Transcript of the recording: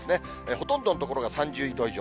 ほとんどの所が３０度以上。